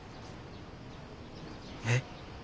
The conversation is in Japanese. えっ？